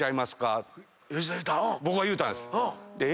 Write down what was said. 僕は言うたんです。